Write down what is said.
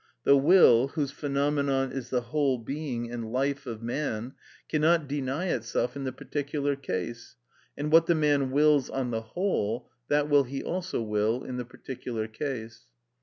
The will, whose phenomenon is the whole being and life of man, cannot deny itself in the particular case, and what the man wills on the whole, that will he also will in the particular case.